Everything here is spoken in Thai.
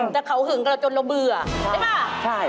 แต่เขาหึงกับเราจนเราเบื่อใช่ป่ะ